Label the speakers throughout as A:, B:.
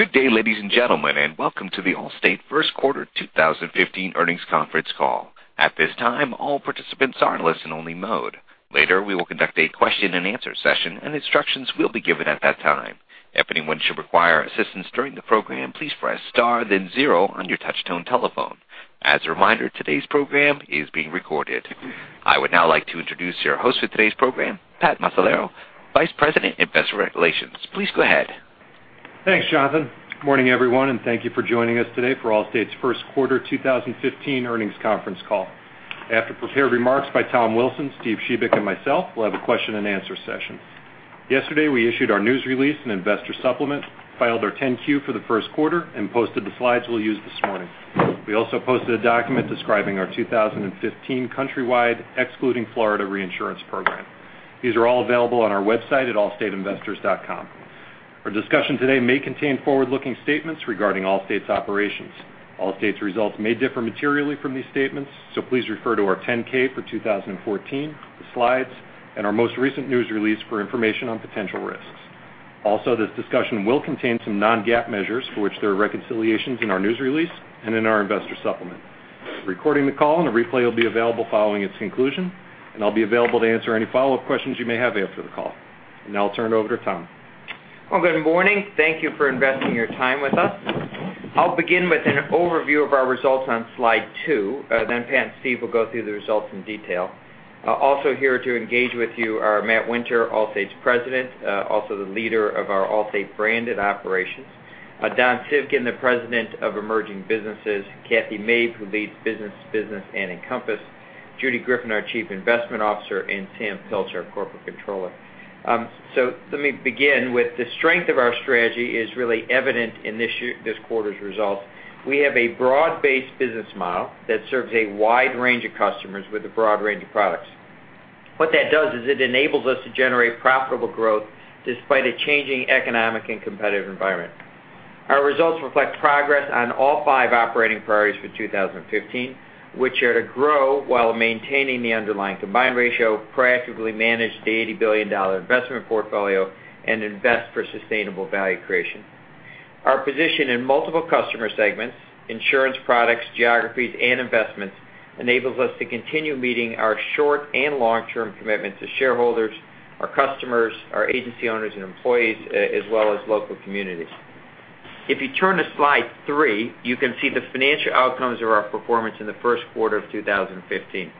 A: Good day, ladies and gentlemen, and welcome to the Allstate first quarter 2015 earnings conference call. At this time, all participants are in listen-only mode. Later, we will conduct a question-and-answer session, and instructions will be given at that time. If anyone should require assistance during the program, please press star then zero on your touchtone telephone. As a reminder, today's program is being recorded. I would now like to introduce your host for today's program, Pat Macellaro, Vice President of Investor Relations. Please go ahead.
B: Thanks, Jonathan. Morning, everyone, thank you for joining us today for Allstate's first quarter 2015 earnings conference call. After prepared remarks by Tom Wilson, Steve Shebik, and myself, we'll have a question and answer session. Yesterday, we issued our news release and investor supplement, filed our 10-Q for the first quarter, posted the slides we'll use this morning. We also posted a document describing our 2015 countrywide, excluding Florida reinsurance program. These are all available on our website at allstateinvestors.com. Our discussion today may contain forward-looking statements regarding Allstate's operations. Allstate's results may differ materially from these statements, please refer to our 10-K for 2014, the slides, and our most recent news release for information on potential risks. This discussion will contain some non-GAAP measures for which there are reconciliations in our news release and in our investor supplement. We're recording the call, a replay will be available following its conclusion, I'll be available to answer any follow-up questions you may have after the call. I'll turn it over to Tom.
C: Good morning. Thank you for investing your time with us. I'll begin with an overview of our results on slide two. Pat and Steve will go through the results in detail. Here to engage with you are Matt Winter, Allstate's President, also the leader of our Allstate branded operations. Don Civgin, the President of Emerging Businesses, Cathy Mabe, who leads Business-to-Business and Encompass, Judy Griffin, our Chief Investment Officer, and Sam Pilch, our Corporate Controller. Let me begin with the strength of our strategy is really evident in this quarter's results. We have a broad-based business model that serves a wide range of customers with a broad range of products. What that does is it enables us to generate profitable growth despite a changing economic and competitive environment. Our results reflect progress on all five operating priorities for 2015, which are to grow while maintaining the underlying combined ratio, practically manage the $80 billion investment portfolio, and invest for sustainable value creation. Our position in multiple customer segments, insurance products, geographies, and investments enables us to continue meeting our short and long-term commitments to shareholders, our customers, our agency owners and employees, as well as local communities. If you turn to slide three, you can see the financial outcomes of our performance in the first quarter of 2015.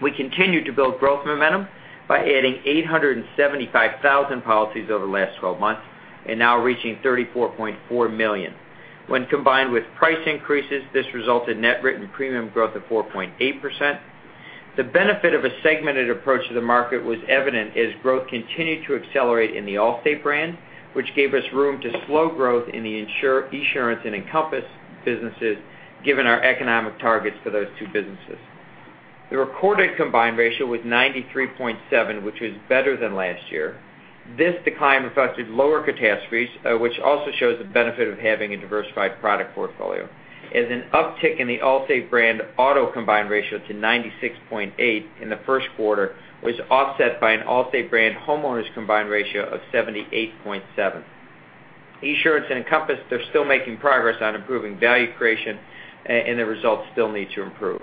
C: We continued to build growth momentum by adding 875,000 policies over the last 12 months and now reaching 34.4 million. When combined with price increases, this resulted in net written premium growth of 4.8%. The benefit of a segmented approach to the market was evident as growth continued to accelerate in the Allstate brand, which gave us room to slow growth in the Esurance and Encompass businesses, given our economic targets for those two businesses. The recorded combined ratio was 93.7, which was better than last year. This decline reflected lower catastrophes, which also shows the benefit of having a diversified product portfolio, as an uptick in the Allstate brand auto combined ratio to 96.8 in the first quarter was offset by an Allstate brand homeowners combined ratio of 78.7. Esurance and Encompass, they're still making progress on improving value creation, and the results still need to improve.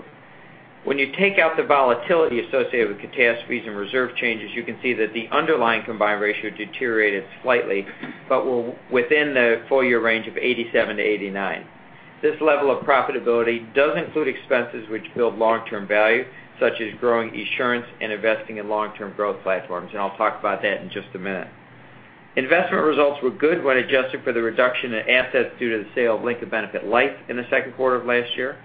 C: When you take out the volatility associated with catastrophes and reserve changes, you can see that the underlying combined ratio deteriorated slightly, but within the full year range of 87%-89%. This level of profitability does include expenses which build long-term value, such as growing Esurance and investing in long-term growth platforms. I'll talk about that in just a minute. Investment results were good when adjusted for the reduction in assets due to the sale of Lincoln Benefit Life in the second quarter of last year.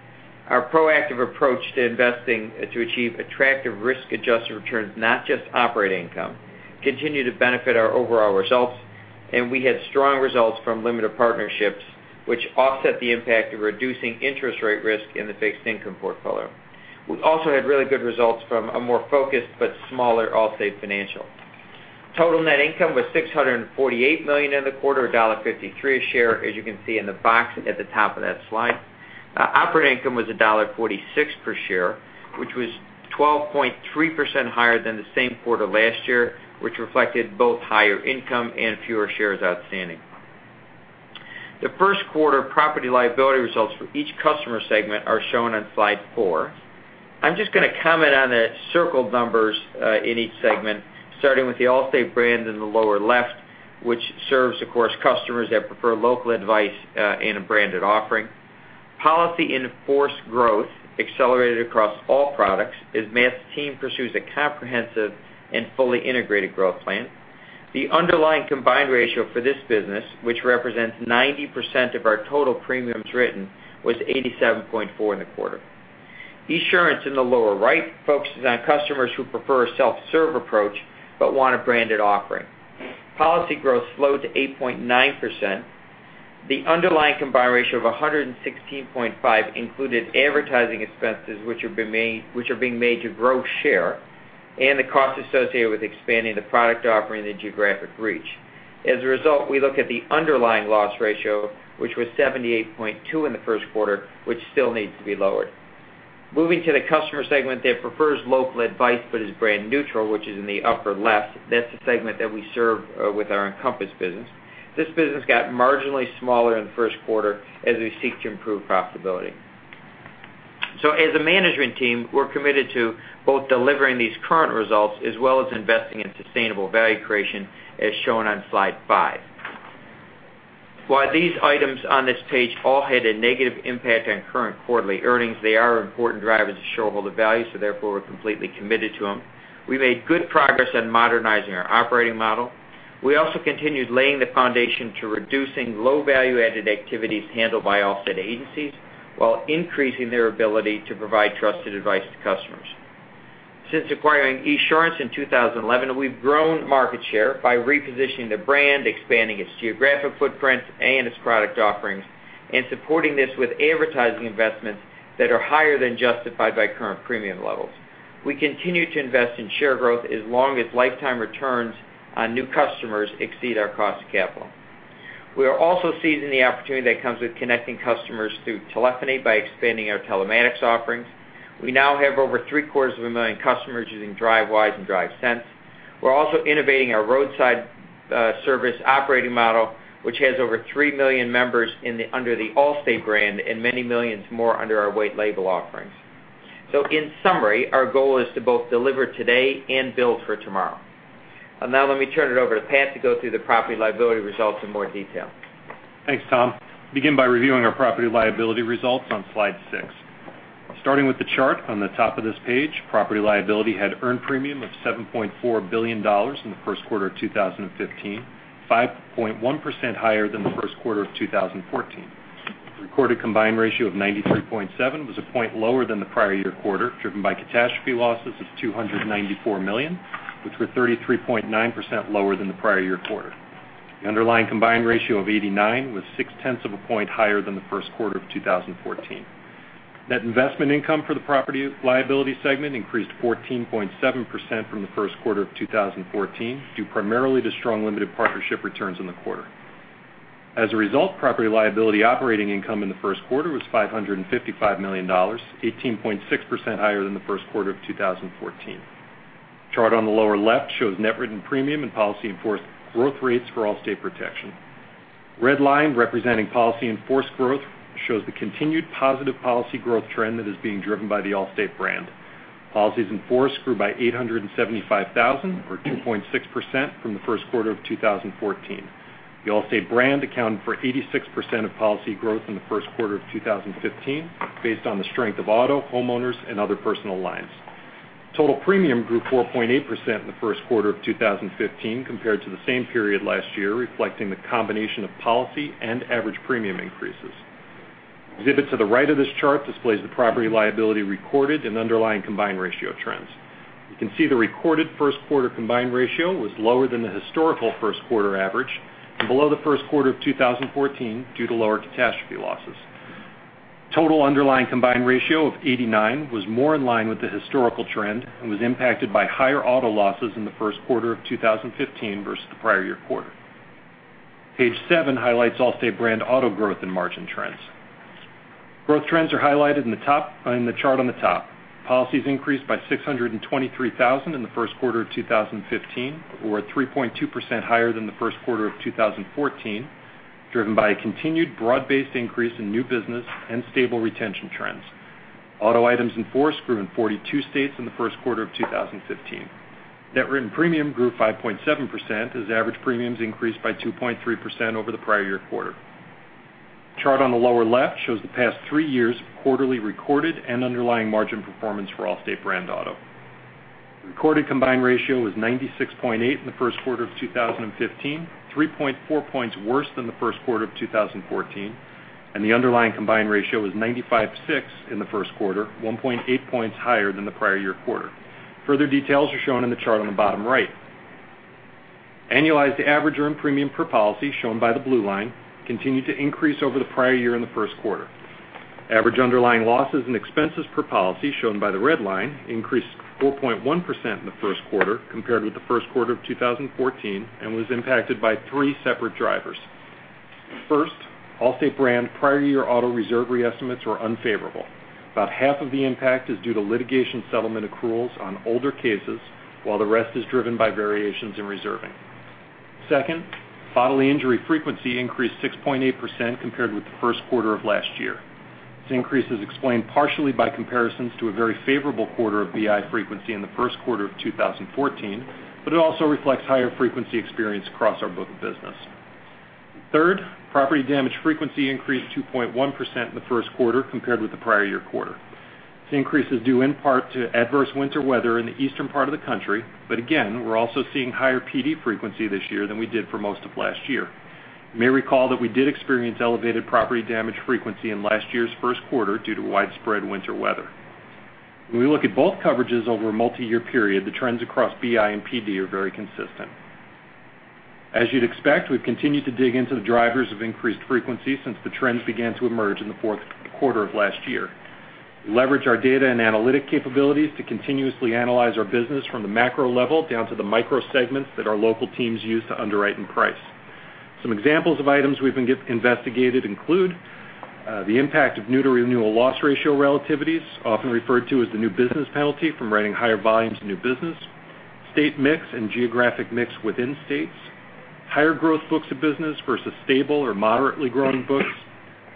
C: Our proactive approach to investing to achieve attractive risk-adjusted returns, not just operating income, continue to benefit our overall results. We had strong results from limited partnerships which offset the impact of reducing interest rate risk in the fixed income portfolio. We also had really good results from a more focused but smaller Allstate Financial. Total net income was $648 million in the quarter, $1.53 a share, as you can see in the box at the top of that slide. Operating income was $1.46 per share, which was 12.3% higher than the same quarter last year, which reflected both higher income and fewer shares outstanding. The first quarter property liability results for each customer segment are shown on slide four. I'm just going to comment on the circled numbers in each segment, starting with the Allstate brand in the lower left, which serves, of course, customers that prefer local advice in a branded offering. Policy in-force growth accelerated across all products as Matt's team pursues a comprehensive and fully integrated growth plan. The underlying combined ratio for this business, which represents 90% of our total premiums written, was 87.4 in the quarter. Esurance in the lower right focuses on customers who prefer a self-serve approach but want a branded offering. Policy growth slowed to 8.9%. The underlying combined ratio of 116.5 included advertising expenses which are being made to grow share and the cost associated with expanding the product offering and geographic reach. As a result, we look at the underlying loss ratio, which was 78.2 in the first quarter, which still needs to be lowered. Moving to the customer segment that prefers local advice but is brand neutral, which is in the upper left, that's the segment that we serve with our Encompass business. This business got marginally smaller in the first quarter as we seek to improve profitability. As a management team, we're committed to both delivering these current results as well as investing in sustainable value creation, as shown on slide five. While these items on this page all had a negative impact on current quarterly earnings, therefore, we're completely committed to them. We made good progress on modernizing our operating model. We also continued laying the foundation to reducing low value-added activities handled by Allstate agencies while increasing their ability to provide trusted advice to customers. Since acquiring Esurance in 2011, we've grown market share by repositioning the brand, expanding its geographic footprints and its product offerings, and supporting this with advertising investments that are higher than justified by current premium levels. We continue to invest in share growth as long as lifetime returns on new customers exceed our cost of capital. We are also seizing the opportunity that comes with connecting customers through telephony by expanding our telematics offerings. We now have over three-quarters of a million customers using Drivewise and Drive Sense. We're also innovating our roadside service operating model, which has over 3 million members under the Allstate brand and many millions more under our white label offerings. In summary, our goal is to both deliver today and build for tomorrow. Let me turn it over to Pat to go through the property liability results in more detail.
B: Thanks, Tom. Begin by reviewing our property liability results on slide six. Starting with the chart on the top of this page, property liability had earned premium of $7.4 billion in the first quarter of 2015, 5.1% higher than the first quarter of 2014. The recorded combined ratio of 93.7 was a point lower than the prior year quarter, driven by catastrophe losses of $294 million, which were 33.9% lower than the prior year quarter. The underlying combined ratio of 89 was six tenths of a point higher than the first quarter of 2014. Net investment income for the property liability segment increased 14.7% from the first quarter of 2014 due primarily to strong limited partnership returns in the quarter. As a result, property liability operating income in the first quarter was $555 million, 18.6% higher than the first quarter of 2014. The chart on the lower left shows net written premium and policy in force growth rates for Allstate Protection. Red line, representing policy in force growth, shows the continued positive policy growth trend that is being driven by the Allstate brand. Policies in force grew by 875,000 or 2.6% from the first quarter of 2014. The Allstate brand accounted for 86% of policy growth in the first quarter of 2015, based on the strength of auto, homeowners, and other personal lines. Total premium grew 4.8% in the first quarter of 2015 compared to the same period last year, reflecting the combination of policy and average premium increases. Exhibit to the right of this chart displays the property liability recorded and underlying combined ratio trends. You can see the recorded first quarter combined ratio was lower than the historical first quarter average and below the first quarter of 2014 due to lower catastrophe losses. Total underlying combined ratio of 89 was more in line with the historical trend and was impacted by higher auto losses in the first quarter of 2015 versus the prior year quarter. Page seven highlights Allstate brand auto growth and margin trends. Growth trends are highlighted in the chart on the top. Policies increased by 623,000 in the first quarter of 2015, or 3.2% higher than the first quarter of 2014, driven by a continued broad-based increase in new business and stable retention trends. Auto items in force grew in 42 states in the first quarter of 2015. Net written premium grew 5.7% as average premiums increased by 2.3% over the prior year quarter. The chart on the lower left shows the past three years' quarterly recorded and underlying margin performance for Allstate brand auto. The recorded combined ratio was 96.8 in the first quarter of 2015, 3.4 points worse than the first quarter of 2014, and the underlying combined ratio was 95.6 in the first quarter, 1.8 points higher than the prior year quarter. Further details are shown in the chart on the bottom right. Annualized average earned premium per policy, shown by the blue line, continued to increase over the prior year in the first quarter. Average underlying losses and expenses per policy, shown by the red line, increased 4.1% in the first quarter compared with the first quarter of 2014 and was impacted by three separate drivers. First, Allstate brand prior year auto reserve re-estimates were unfavorable. About half of the impact is due to litigation settlement accruals on older cases, while the rest is driven by variations in reserving. Second, bodily injury frequency increased 6.8% compared with the first quarter of last year. This increase is explained partially by comparisons to a very favorable quarter of BI frequency in the first quarter of 2014, but it also reflects higher frequency experience across our book of business. Third, property damage frequency increased 2.1% in the first quarter compared with the prior year quarter. This increase is due in part to adverse winter weather in the eastern part of the country, but again, we're also seeing higher PD frequency this year than we did for most of last year. You may recall that we did experience elevated property damage frequency in last year's first quarter due to widespread winter weather. When we look at both coverages over a multi-year period, the trends across BI and PD are very consistent. As you'd expect, we've continued to dig into the drivers of increased frequency since the trends began to emerge in the fourth quarter of last year. We leverage our data and analytic capabilities to continuously analyze our business from the macro level down to the micro segments that our local teams use to underwrite and price. Some examples of items we've investigated include the impact of new to renewal loss ratio relativities, often referred to as the new business penalty from writing higher volumes of new business, state mix and geographic mix within states, higher growth books of business versus stable or moderately growing books,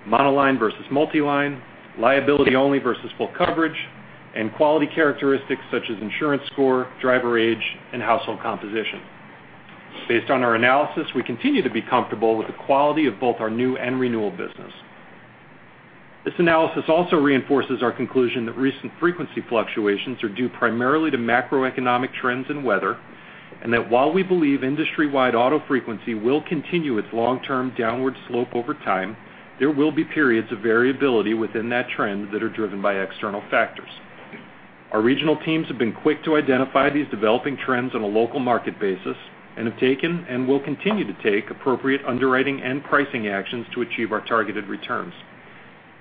B: monoline versus multiline, liability only versus full coverage, and quality characteristics such as insurance score, driver age, and household composition. Based on our analysis, we continue to be comfortable with the quality of both our new and renewal business. This analysis also reinforces our conclusion that recent frequency fluctuations are due primarily to macroeconomic trends in weather, and that while we believe industry-wide auto frequency will continue its long-term downward slope over time, there will be periods of variability within that trend that are driven by external factors. Our regional teams have been quick to identify these developing trends on a local market basis and have taken, and will continue to take, appropriate underwriting and pricing actions to achieve our targeted returns.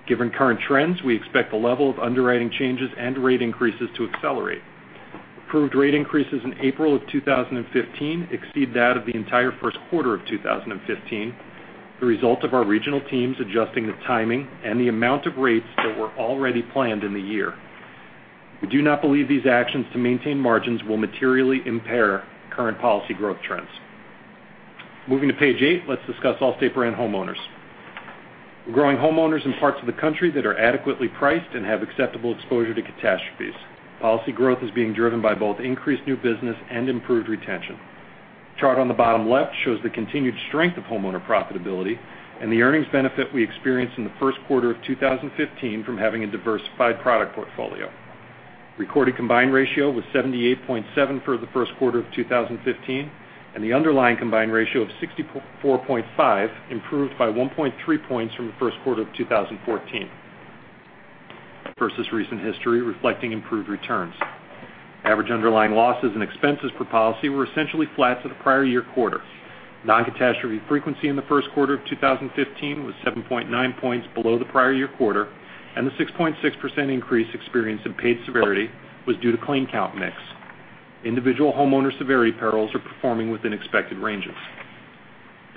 B: Given current trends, we expect the level of underwriting changes and rate increases to accelerate. Approved rate increases in April of 2015 exceed that of the entire first quarter of 2015, the result of our regional teams adjusting the timing and the amount of rates that were already planned in the year. We do not believe these actions to maintain margins will materially impair current policy growth trends. Moving to page 8, let's discuss Allstate brand homeowners. We're growing homeowners in parts of the country that are adequately priced and have acceptable exposure to catastrophes. Policy growth is being driven by both increased new business and improved retention. The chart on the bottom left shows the continued strength of homeowner profitability and the earnings benefit we experienced in the first quarter of 2015 from having a diversified product portfolio. Recorded combined ratio was 78.7 for the first quarter of 2015, and the underlying combined ratio of 64.5 improved by 1.3 points from the first quarter of 2014 versus recent history, reflecting improved returns. Average underlying losses and expenses per policy were essentially flat to the prior year quarter. Non-catastrophe frequency in the first quarter of 2015 was 7.9 points below the prior year quarter, and the 6.6% increase experienced in paid severity was due to claim count mix. Individual homeowner severity perils are performing within expected ranges.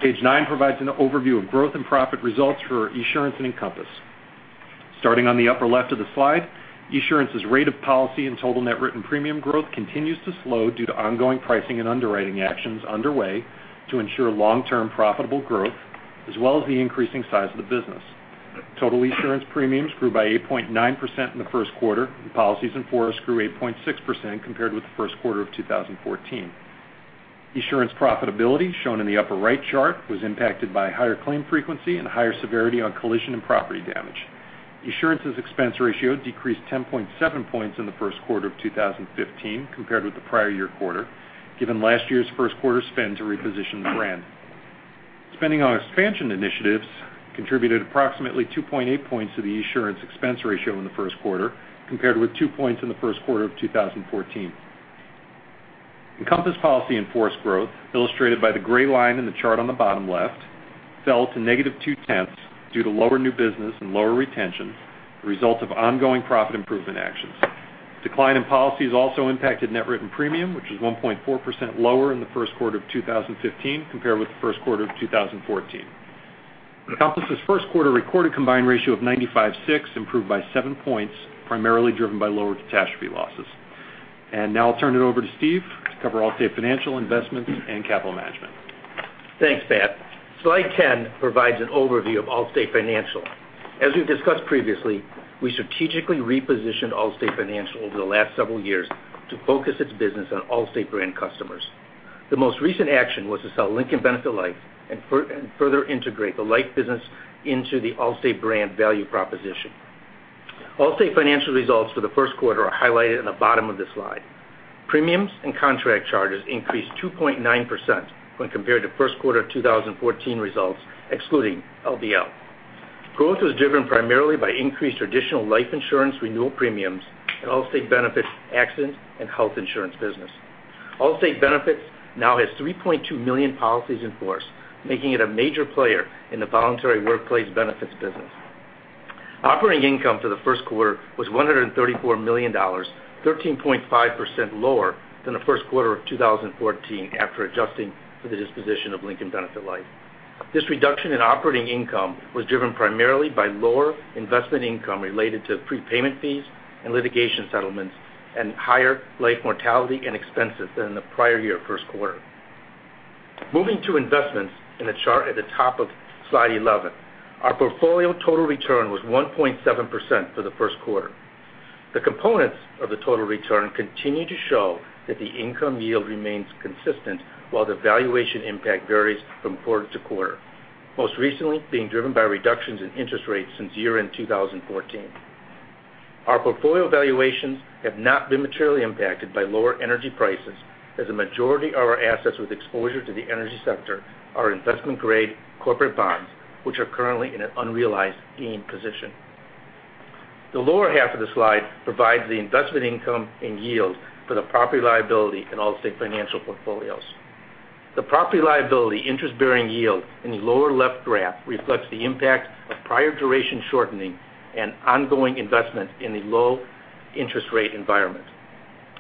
B: Page 9 provides an overview of growth and profit results for Esurance and Encompass. Starting on the upper left of the slide, Esurance's rate of policy and total net written premium growth continues to slow due to ongoing pricing and underwriting actions underway to ensure long-term profitable growth, as well as the increasing size of the business. Total Esurance premiums grew by 8.9% in the first quarter, and policies in force grew 8.6% compared with the first quarter of 2014. Esurance profitability, shown in the upper right chart, was impacted by higher claim frequency and higher severity on collision and property damage. Esurance's expense ratio decreased 10.7 points in the first quarter of 2015 compared with the prior year quarter, given last year's first quarter spend to reposition the brand. Spending on expansion initiatives contributed approximately 2.8 points to the Esurance expense ratio in the first quarter, compared with two points in the first quarter of 2014. Encompass policy in force growth, illustrated by the gray line in the chart on the bottom left, fell to -0.2 due to lower new business and lower retention, the result of ongoing profit improvement actions. Decline in policies also impacted net written premium, which was 1.4% lower in the first quarter of 2015 compared with the first quarter of 2014. Encompass' first quarter recorded a combined ratio of 95.6, improved by seven points, primarily driven by lower catastrophe losses. Now I'll turn it over to Steve to cover Allstate Financial, Investments, and Capital Management.
D: Thanks, Pat. Slide 10 provides an overview of Allstate Financial. As we've discussed previously, we strategically repositioned Allstate Financial over the last several years to focus its business on Allstate brand customers. The most recent action was to sell Lincoln Benefit Life and further integrate the life business into the Allstate brand value proposition. Allstate Financial results for the first quarter are highlighted in the bottom of this slide. Premiums and contract charges increased 2.9% when compared to first quarter of 2014 results, excluding LBL. Growth was driven primarily by increased traditional life insurance renewal premiums and Allstate Benefits Accident and Health Insurance business. Allstate Benefits now has 3.2 million policies in force, making it a major player in the voluntary workplace benefits business. Operating income for the first quarter was $134 million, 13.5% lower than the first quarter of 2014 after adjusting for the disposition of Lincoln Benefit Life. This reduction in operating income was driven primarily by lower investment income related to prepayment fees and litigation settlements, and higher life mortality and expenses than the prior year first quarter. Moving to investments in the chart at the top of slide 11. Our portfolio total return was 1.7% for the first quarter. The components of the total return continue to show that the income yield remains consistent while the valuation impact varies from quarter to quarter, most recently being driven by reductions in interest rates since year-end 2014. Our portfolio valuations have not been materially impacted by lower energy prices, as a majority of our assets with exposure to the energy sector are investment grade corporate bonds, which are currently in an unrealized gain position. The lower half of the slide provides the investment income and yield for the property liability in Allstate Financial portfolios. The property liability interest-bearing yield in the lower left graph reflects the impact of prior duration shortening and ongoing investment in the low interest rate environment.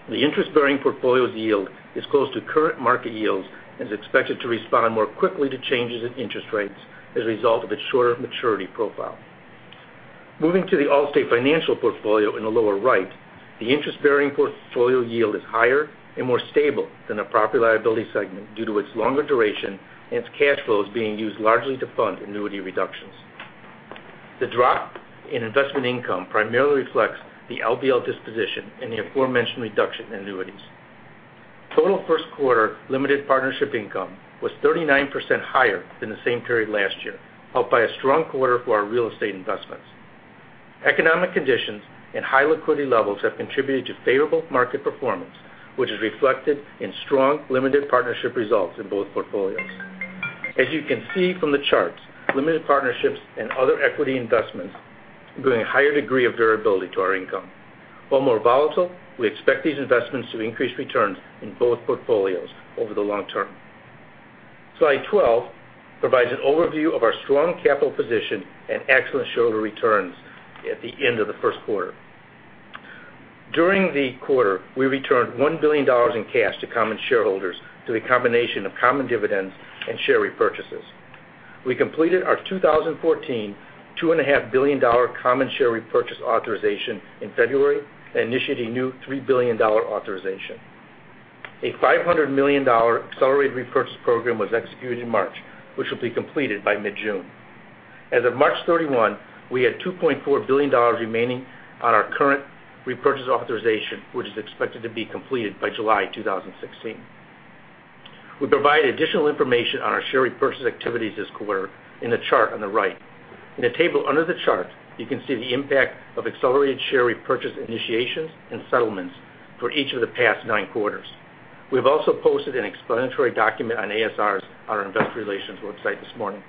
D: The interest-bearing portfolio's yield is close to current market yields and is expected to respond more quickly to changes in interest rates as a result of its shorter maturity profile. Moving to the Allstate Financial portfolio in the lower right, the interest-bearing portfolio yield is higher and more stable than the property-liability segment due to its longer duration and its cash flows being used largely to fund annuity reductions. The drop in investment income primarily reflects the LBL disposition and the aforementioned reduction in annuities. Total first quarter limited partnership income was 39% higher than the same period last year, helped by a strong quarter for our real estate investments. Economic conditions and high liquidity levels have contributed to favorable market performance, which is reflected in strong limited partnership results in both portfolios. As you can see from the charts, limited partnerships and other equity investments bring a higher degree of durability to our income. While more volatile, we expect these investments to increase returns in both portfolios over the long term. Slide 12 provides an overview of our strong capital position and excellent shareholder returns at the end of the first quarter. During the quarter, we returned $1 billion in cash to common shareholders through a combination of common dividends and share repurchases. We completed our 2014 $2.5 billion common share repurchase authorization in February and initiated a new $3 billion authorization. A $500 million accelerated repurchase program was executed in March, which will be completed by mid-June. As of March 31, we had $2.4 billion remaining on our current repurchase authorization, which is expected to be completed by July 2016. We provide additional information on our share repurchase activities this quarter in the chart on the right. In the table under the chart, you can see the impact of accelerated share repurchase initiations and settlements for each of the past nine quarters. We've also posted an explanatory document on ASRs on our investor relations website this morning.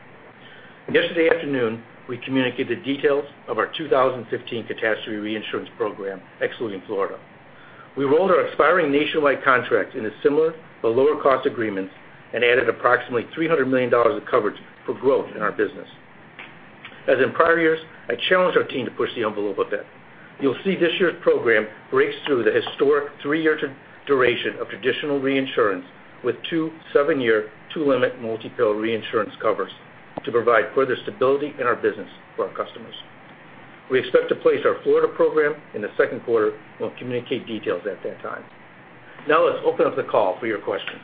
D: Yesterday afternoon, we communicated details of our 2015 catastrophe reinsurance program, excluding Florida. We rolled our expiring nationwide contract in a similar but lower cost agreement and added approximately $300 million of coverage for growth in our business. As in prior years, I challenged our team to push the envelope a bit. You'll see this year's program breaks through the historic three-year duration of traditional reinsurance with two seven-year, two-limit multi-peril reinsurance covers to provide further stability in our business for our customers. We expect to place our Florida program in the second quarter and we'll communicate details at that time. Now let's open up the call for your questions.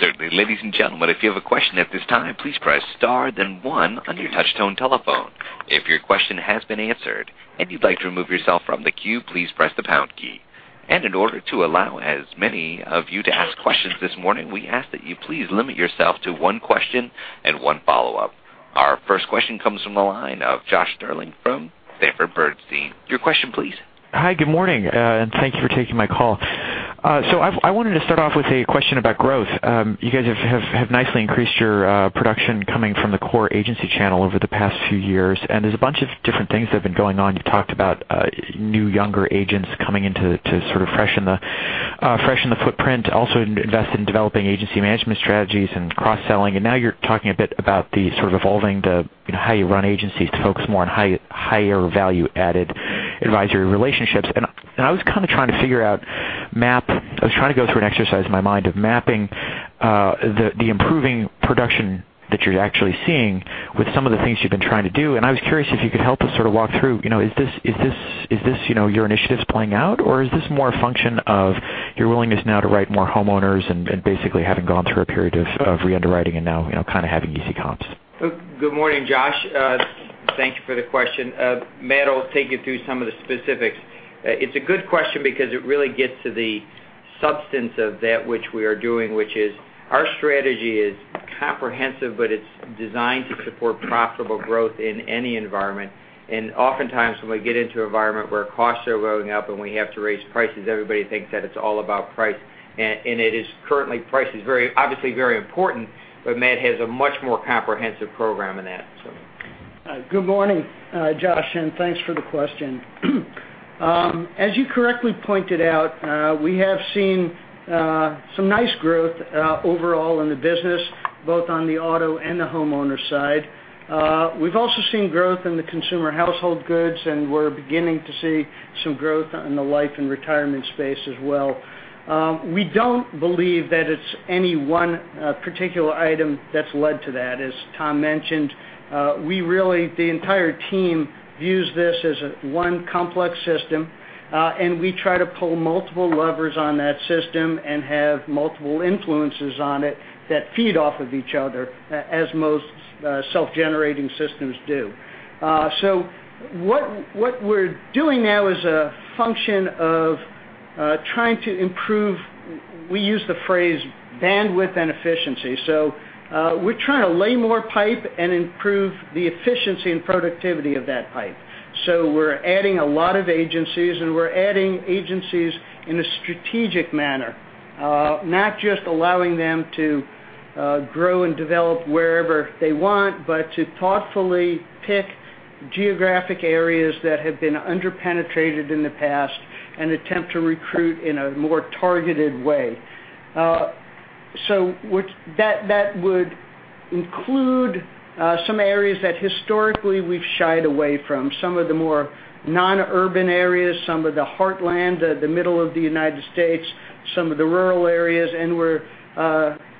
A: Certainly. Ladies and gentlemen, if you have a question at this time, please press star then one on your touch tone telephone. If your question has been answered and you'd like to remove yourself from the queue, please press the pound key. In order to allow as many of you to ask questions this morning, we ask that you please limit yourself to one question and one follow-up. Our first question comes from the line of Josh Stirling from Sanford Bernstein. Your question, please.
E: Hi, good morning, thank you for taking my call. I wanted to start off with a question about growth. You guys have nicely increased your production coming from the core agency channel over the past few years, and there's a bunch of different things that have been going on. You talked about new, younger agents coming in to sort of freshen the footprint, also invest in developing agency management strategies and cross-selling, and now you're talking a bit about the sort of evolving the how you run agencies to focus more on higher value added advisory relationships. I was kind of trying to figure out, I was trying to go through an exercise in my mind of mapping the improving production that you're actually seeing with some of the things you've been trying to do, and I was curious if you could help us sort of walk through, is this your initiatives playing out, or is this more a function of your willingness now to write more homeowners and basically having gone through a period of re-underwriting and now kind of having easy comps?
C: Good morning, Josh. Thank you for the question. Matt will take you through some of the specifics. It's a good question because it really gets to the substance of that which we are doing, which is our strategy is comprehensive, but it's designed to support profitable growth in any environment. Oftentimes, when we get into an environment where costs are going up and we have to raise prices, everybody thinks that it's all about price. Currently price is obviously very important, but Matt has a much more comprehensive program in that.
F: Good morning, Josh, thanks for the question. As you correctly pointed out, we have seen some nice growth overall in the business, both on the auto and the homeowner side. We've also seen growth in the consumer household goods, we're beginning to see some growth in the life and retirement space as well. We don't believe that it's any one particular item that's led to that. As Tom mentioned, the entire team views this as one complex system, and we try to pull multiple levers on that system and have multiple influences on it that feed off of each other, as most self-generating systems do. What we're doing now is a function of trying to improve, we use the phrase bandwidth and efficiency. We're trying to lay more pipe and improve the efficiency and productivity of that pipe. We're adding a lot of agencies, and we're adding agencies in a strategic manner, not just allowing them to grow and develop wherever they want, but to thoughtfully pick geographic areas that have been under-penetrated in the past and attempt to recruit in a more targeted way. That would include some areas that historically we've shied away from. Some of the more non-urban areas, some of the heartland, the middle of the United States, some of the rural areas.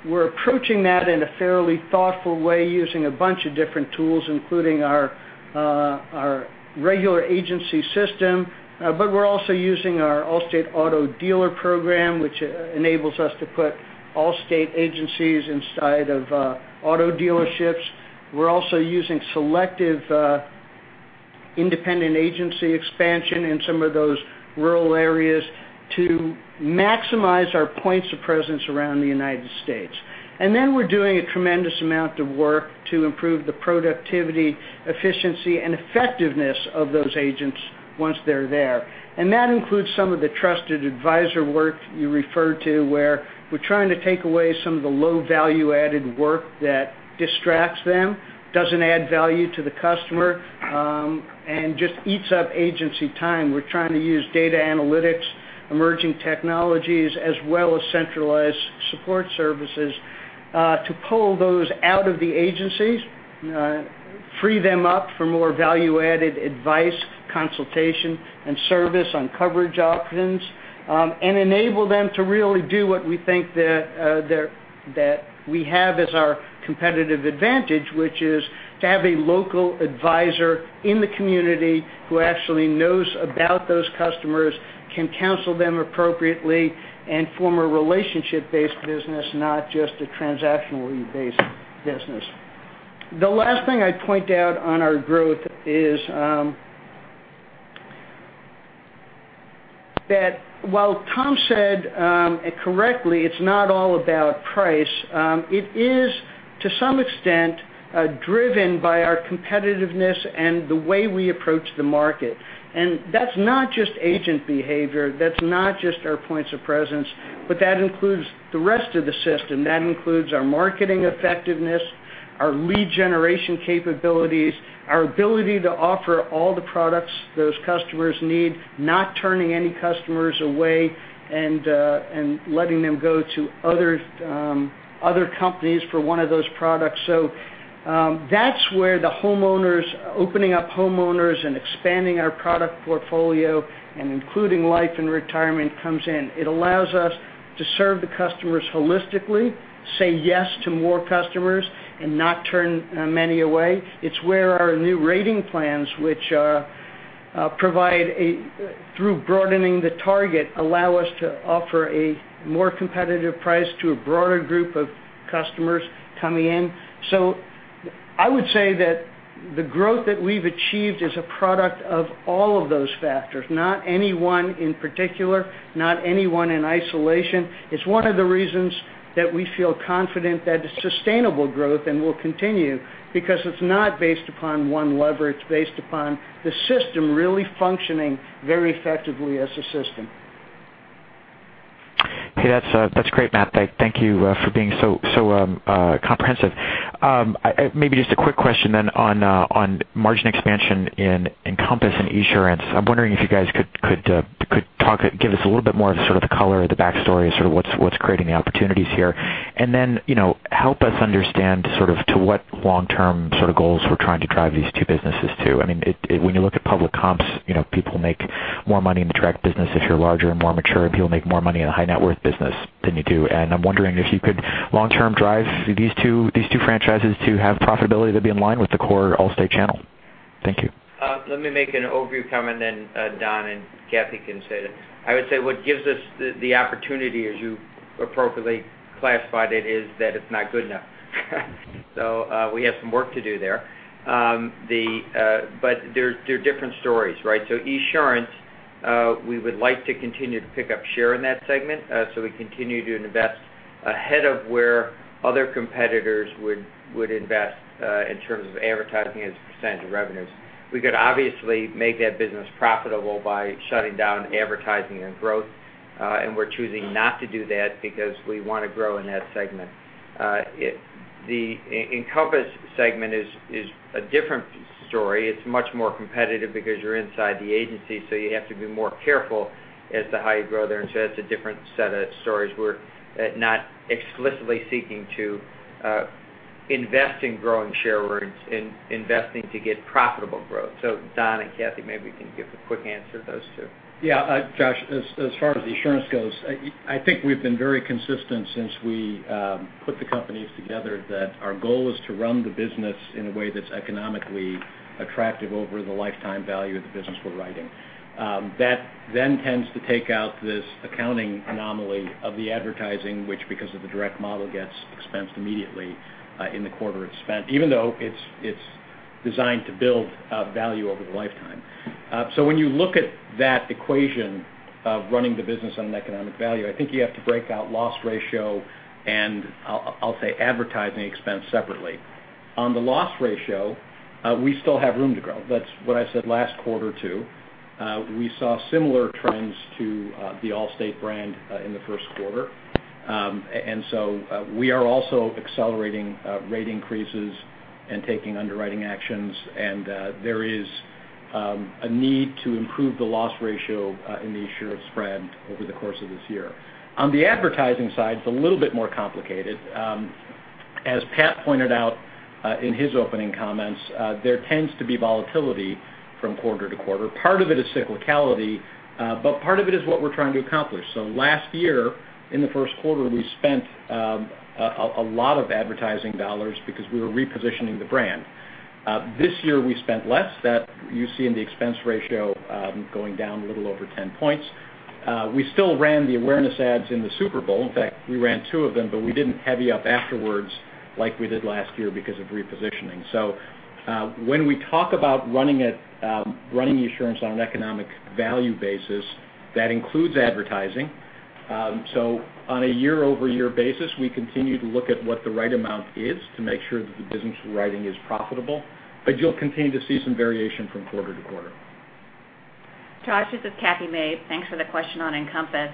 F: We're approaching that in a fairly thoughtful way, using a bunch of different tools, including our regular agency system, but we're also using our Allstate auto dealer program, which enables us to put Allstate agencies inside of auto dealerships. We're also using selective independent agency expansion in some of those rural areas to maximize our points of presence around the United States. We're doing a tremendous amount of work to improve the productivity, efficiency, and effectiveness of those agents once they're there. That includes some of the trusted advisor work you referred to, where we're trying to take away some of the low value-added work that distracts them, doesn't add value to the customer, and just eats up agency time. We're trying to use data analytics, emerging technologies, as well as centralized support services, to pull those out of the agencies, free them up for more value-added advice, consultation, and service on coverage options, and enable them to really do what we think that we have as our competitive advantage, which is to have a local advisor in the community who actually knows about those customers, can counsel them appropriately, and form a relationship-based business, not just a transactionally based business. The last thing I'd point out on our growth is that while Tom said, correctly, it's not all about price, it is to some extent, driven by our competitiveness and the way we approach the market. That's not just agent behavior, that's not just our points of presence, but that includes the rest of the system. That includes our marketing effectiveness, our lead generation capabilities, our ability to offer all the products those customers need, not turning any customers away and letting them go to other companies for one of those products. That's where opening up homeowners and expanding our product portfolio and including life and retirement comes in. It allows us to serve the customers holistically, say yes to more customers, and not turn many away. It's where our new rating plans, which provide through broadening the target, allow us to offer a more competitive price to a broader group of customers coming in. I would say that the growth that we've achieved is a product of all of those factors, not any one in particular, not any one in isolation. It's one of the reasons that we feel confident that it's sustainable growth and will continue because it's not based upon one lever. It's based upon the system really functioning very effectively as a system.
E: Hey, that's great, Matt. Thank you for being so comprehensive. Maybe just a quick question then on margin expansion in Encompass and Esurance. I'm wondering if you guys could give us a little bit more of the color or the backstory of what's creating the opportunities here. Then help us understand to what long-term goals we're trying to drive these two businesses to. When you look at public comps, people make more money in the direct business if you're larger and more mature, and people make more money in a high net worth business than you do. I'm wondering if you could long-term drive these two franchises to have profitability to be in line with the core Allstate channel. Thank you.
F: Let me make an overview comment then Don and Cathy can say that. I would say what gives us the opportunity, as you appropriately classified it, is that it's not good enough. We have some work to do there. They're different stories, right? Esurance, we would like to continue to pick up share in that segment so we continue to invest ahead of where other competitors would invest in terms of advertising as a percentage of revenues. We could obviously make that business profitable by shutting down advertising and growth, and we're choosing not to do that because we want to grow in that segment. The Encompass segment is a different story. It's much more competitive because you're inside the agency, so you have to be more careful as to how you grow there. That's a different set of stories. We're not explicitly seeking to invest in growing share earnings in investing to get profitable growth. Don and Cathy, maybe can give a quick answer to those two.
G: Yeah. Josh, as far as Esurance goes, I think we've been very consistent since we put the companies together that our goal is to run the business in a way that's economically attractive over the lifetime value of the business we're writing. That then tends to take out this accounting anomaly of the advertising, which, because of the direct model, gets expensed immediately in the quarter it's spent, even though it's designed to build value over the lifetime. When you look at that equation of running the business on an economic value, I think you have to break out loss ratio and I'll say advertising expense separately. On the loss ratio, we still have room to grow. That's what I said last quarter, too. We saw similar trends to the Allstate brand in the first quarter. We are also accelerating rate increases and taking underwriting actions, and there is a need to improve the loss ratio in the insurance spread over the course of this year. On the advertising side, it's a little bit more complicated. As Pat pointed out in his opening comments, there tends to be volatility from quarter-to-quarter. Part of it is cyclicality, but part of it is what we're trying to accomplish. Last year, in the first quarter, we spent a lot of advertising dollars because we were repositioning the brand. This year, we spent less. That you see in the expense ratio going down a little over 10 points. We still ran the awareness ads in the Super Bowl. In fact, we ran two of them, but we didn't heavy up afterwards like we did last year because of repositioning. When we talk about running insurance on an economic value basis, that includes advertising. On a year-over-year basis, we continue to look at what the right amount is to make sure that the business we're writing is profitable, but you'll continue to see some variation from quarter-to-quarter.
H: Josh, this is Kathty Mabe. Thanks for the question on Encompass.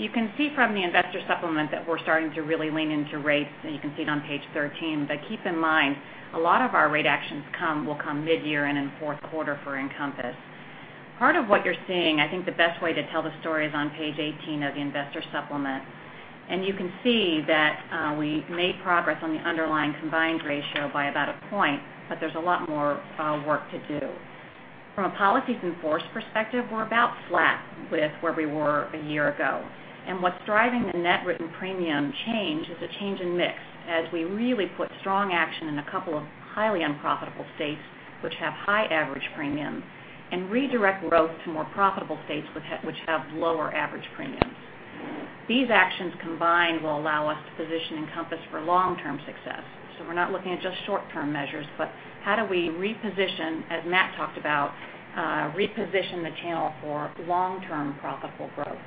H: You can see from the investor supplement that we're starting to really lean into rates, and you can see it on page 13. Keep in mind, a lot of our rate actions will come mid-year and in fourth quarter for Encompass. Part of what you're seeing, I think the best way to tell the story is on page 18 of the investor supplement. You can see that we made progress on the underlying combined ratio by about a point, but there's a lot more work to do. From a policies in force perspective, we're about flat with where we were a year ago. What's driving the net written premium change is a change in mix, as we really put strong action in a couple of highly unprofitable states which have high average premium and redirect growth to more profitable states which have lower average premiums. These actions combined will allow us to position Encompass for long-term success. We're not looking at just short-term measures, but how do we, as Matt talked about, reposition the channel for long-term profitable growth?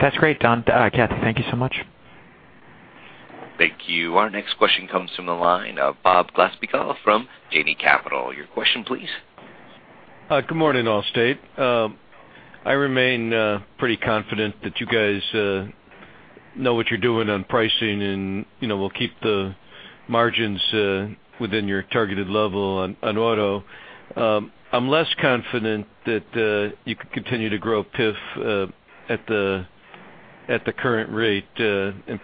E: That's great, Cathy. Thank you so much.
A: Thank you. Our next question comes from the line of Bob Glasspiegel from Janney Montgomery Scott. Your question, please.
I: Good morning, Allstate. I remain pretty confident that you guys know what you're doing on pricing and will keep the margins within your targeted level on auto. I'm less confident that you can continue to grow PIF at the current rate.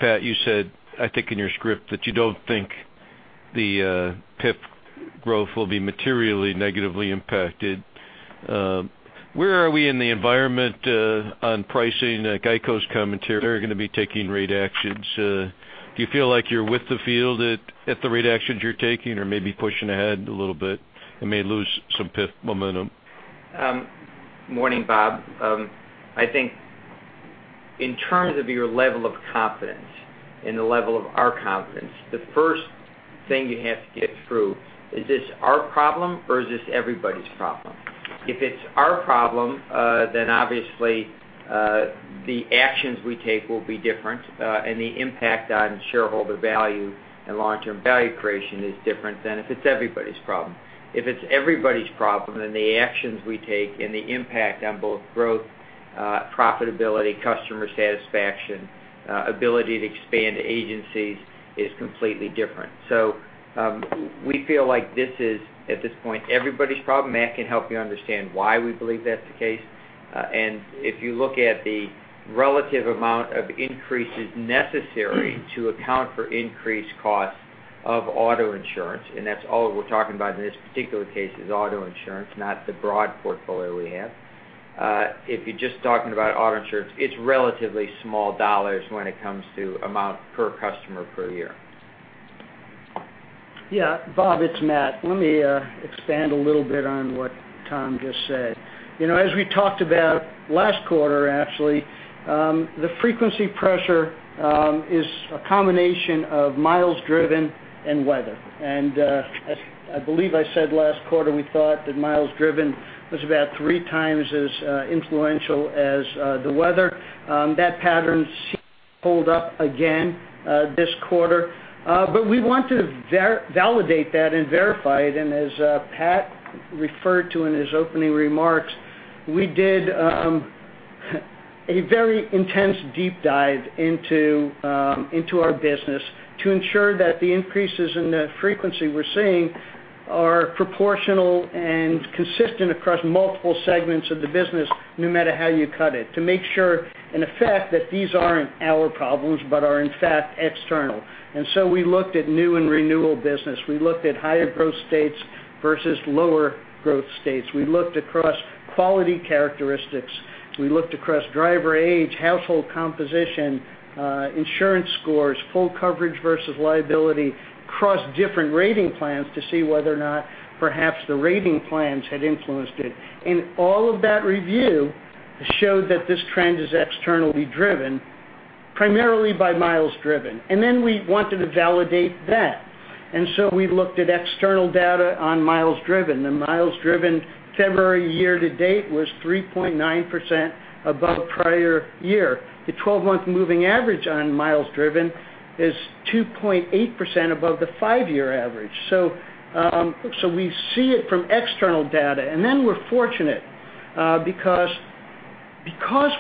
I: Pat, you said, I think in your script, that you don't think the PIF growth will be materially negatively impacted. Where are we in the environment on pricing? GEICO's commentary, they're going to be taking rate actions. Do you feel like you're with the field at the rate actions you're taking or maybe pushing ahead a little bit and may lose some PIF momentum?
C: Morning, Bob. I think in terms of your level of confidence and the level of our confidence, the first thing you have to get through, is this our problem or is this everybody's problem? If it's our problem, obviously the actions we take will be different, and the impact on shareholder value and long-term value creation is different than if it's everybody's problem. If it's everybody's problem, the actions we take and the impact on both growth, profitability, customer satisfaction, ability to expand agencies is completely different. We feel like this is, at this point, everybody's problem. Matt can help you understand why we believe that's the case. If you look at the relative amount of increases necessary to account for increased costs of auto insurance, and that's all we're talking about in this particular case is auto insurance, not the broad portfolio we have. If you're just talking about auto insurance, it's relatively small dollars when it comes to amount per customer per year.
F: Yeah, Bob, it's Matt. Let me expand a little bit on what Tom just said. As we talked about last quarter, actually, the frequency pressure is a combination of miles driven and weather. I believe I said last quarter, we thought that miles driven was about three times as influential as the weather. That pattern seems to hold up again this quarter. We want to validate that and verify it. As Pat referred to in his opening remarks, we did a very intense deep dive into our business to ensure that the increases in the frequency we're seeing are proportional and consistent across multiple segments of the business, no matter how you cut it. To make sure, in effect, that these aren't our problems, but are in fact external. We looked at new and renewal business. We looked at higher growth states versus lower growth states. We looked across quality characteristics. We looked across driver age, household composition, insurance scores, full coverage versus liability, across different rating plans to see whether or not perhaps the rating plans had influenced it. All of that review showed that this trend is externally driven, primarily by miles driven. Then we wanted to validate that. So we looked at external data on miles driven. The miles driven February year to date was 3.9% above prior year. The 12-month moving average on miles driven is 2.8% above the five-year average. We see it from external data. Then we're fortunate because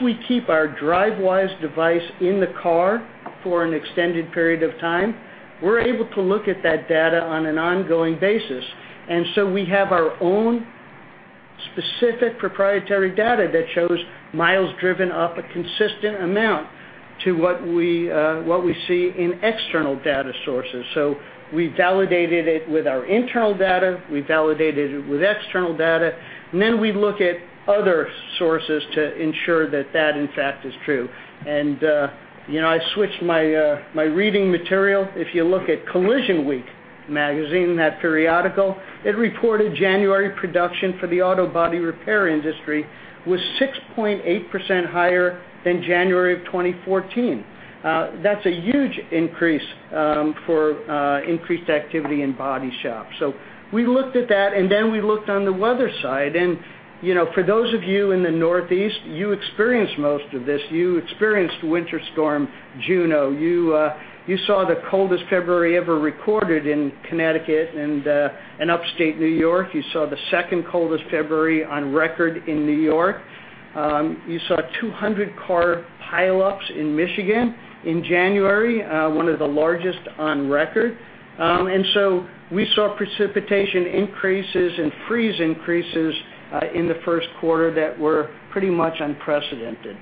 F: we keep our Drivewise device in the car for an extended period of time, we're able to look at that data on an ongoing basis. We have our own specific proprietary data that shows miles driven up a consistent amount to what we see in external data sources. We validated it with our internal data, we validated it with external data, then we look at other sources to ensure that that, in fact, is true. I switched my reading material. If you look at CollisionWeek magazine, that periodical, it reported January production for the auto body repair industry was 6.8% higher than January of 2014. That's a huge increase for increased activity in body shops. We looked at that, then we looked on the weather side. For those of you in the Northeast, you experienced most of this. You experienced the Winter Storm Juno. You saw the coldest February ever recorded in Connecticut and Upstate New York. You saw the second coldest February on record in New York. You saw 200 car pileups in Michigan in January, one of the largest on record. We saw precipitation increases and freeze increases in the first quarter that were pretty much unprecedented.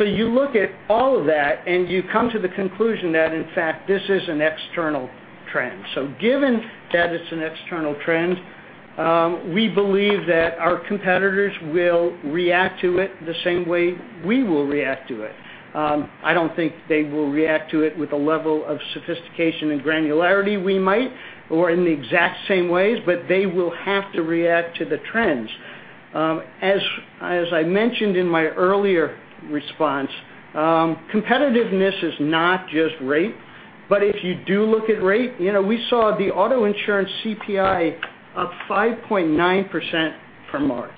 F: You look at all of that, you come to the conclusion that, in fact, this is an external trend. Given that it's an external trend, we believe that our competitors will react to it the same way we will react to it. I don't think they will react to it with a level of sophistication and granularity we might, or in the exact same ways, but they will have to react to the trends. As I mentioned in my earlier response, competitiveness is not just rate. If you do look at rate, we saw the auto insurance CPI up 5.9% for March.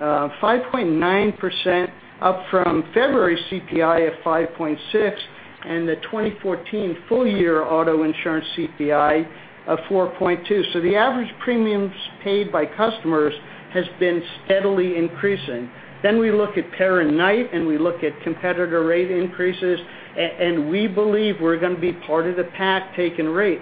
F: 5.9% up from February CPI of 5.6 and the 2014 full year auto insurance CPI of 4.2. The average premiums paid by customers has been steadily increasing. We look at per-night, we look at competitor rate increases, we believe we're going to be part of the pack taking rate.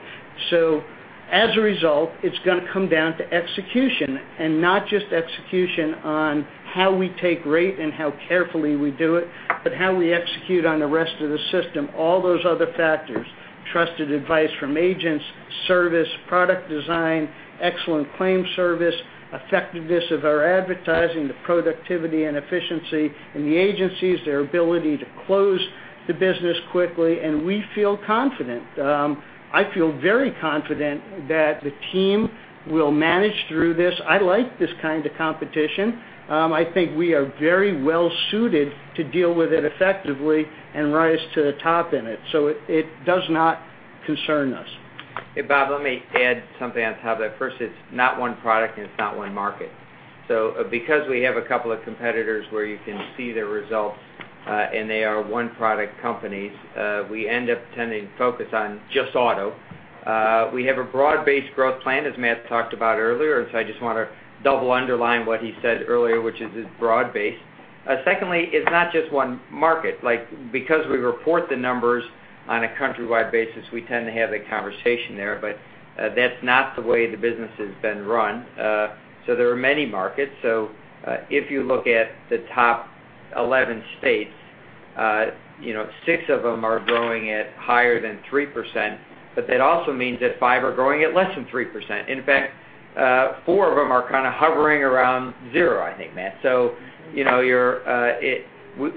F: As a result, it's going to come down to execution, not just execution on how we take rate and how carefully we do it, but how we execute on the rest of the system. All those other factors, trusted advice from agents, service, product design, excellent claim service, effectiveness of our advertising, the productivity and efficiency in the agencies, their ability to close the business quickly, we feel confident. I feel very confident that the team will manage through this. I like this kind of competition. I think we are very well suited to deal with it effectively and rise to the top in it. It does not concern us.
C: Hey, Bob, let me add something on top of that. First, it's not one product, and it's not one market. Because we have a couple of competitors where you can see their results, and they are one-product companies, we end up tending to focus on just auto. We have a broad-based growth plan, as Matt talked about earlier. I just want to double underline what he said earlier, which is it's broad-based. Secondly, it's not just one market. Because we report the numbers on a countrywide basis, we tend to have that conversation there. That's not the way the business has been run. There are many markets. If you look at the top 11 states, six of them are growing at higher than 3%, but that also means that five are growing at less than 3%. In fact, four of them are kind of hovering around zero, I think, Matt.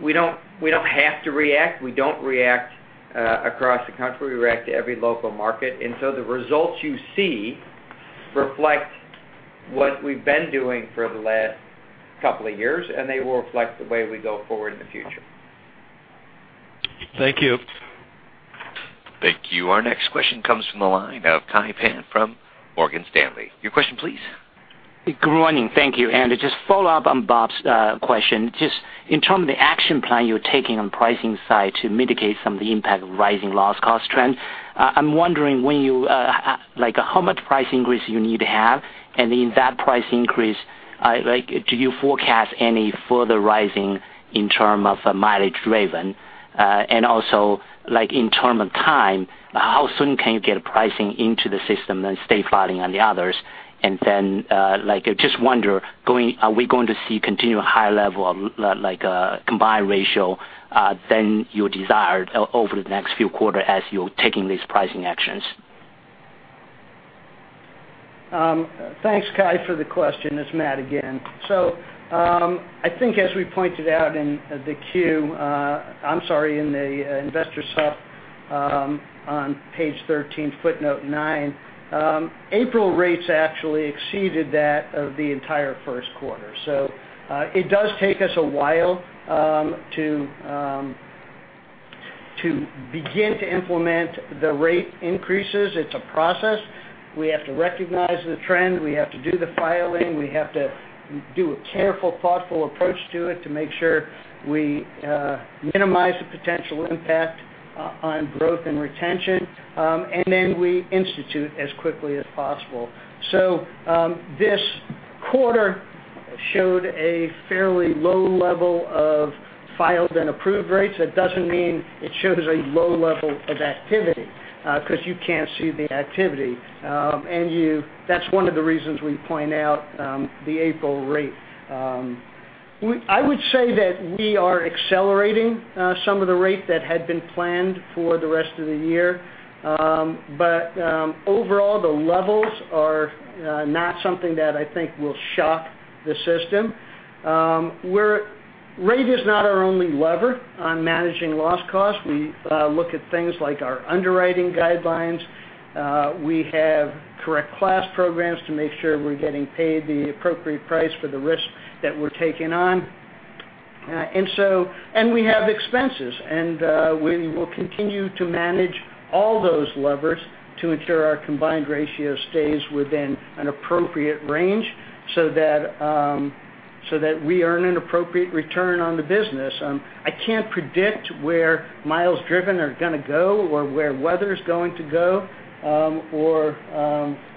C: We don't have to react. We don't react across the country. We react to every local market. The results you see reflect what we've been doing for the last couple of years, and they will reflect the way we go forward in the future.
F: Thank you.
A: Thank you. Our next question comes from the line of Kai Pan from Morgan Stanley. Your question, please.
J: Good morning. Thank you. To just follow up on Bob's question, just in term of the action plan you're taking on the pricing side to mitigate some of the impact of rising loss cost trends, I'm wondering how much price increase you need to have? In that price increase, do you forecast any further rising in term of mileage driven? Also in term of time, how soon can you get pricing into the system than state filing and the others? Then I just wonder, are we going to see continued high level of combined ratio than you desired over the next few quarters as you're taking these pricing actions?
F: Thanks, Kai, for the question. It's Matt again. I think as we pointed out in the investor stuff on page 13, footnote nine, April rates actually exceeded that of the entire first quarter. It does take us a while to begin to implement the rate increases. It's a process. We have to recognize the trend. We have to do the filing. We have to do a careful, thoughtful approach to it to make sure we minimize the potential impact on growth and retention. Then we institute as quickly as possible. This quarter showed a fairly low level of filed and approved rates. That doesn't mean it shows a low level of activity, because you can't see the activity. That's one of the reasons we point out the April rate. I would say that we are accelerating some of the rate that had been planned for the rest of the year. Overall, the levels are not something that I think will shock the system. Rate is not our only lever on managing loss cost. We look at things like our underwriting guidelines. We have correct class programs to make sure we're getting paid the appropriate price for the risk that we're taking on. We have expenses, and we will continue to manage all those levers to ensure our combined ratio stays within an appropriate range so that we earn an appropriate return on the business. I can't predict where miles driven are going to go, or where weather's going to go, or